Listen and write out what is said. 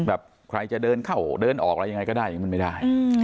แบบใครจะเดินเข้าเดินออกอะไรยังไงก็ได้อย่างนี้มันไม่ได้